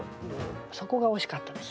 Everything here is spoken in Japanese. そこが惜しかったです。